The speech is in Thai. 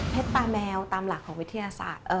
ตาแมวตามหลักของวิทยาศาสตร์